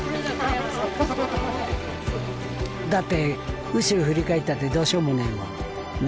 だって後ろ振り返ったってどうしようもないもん。